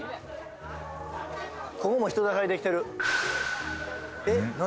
ここも人だかりできてるえっ何？